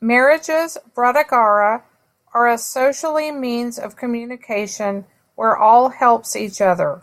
Marriages, Brataghara are a socially means of communication where all helps each other.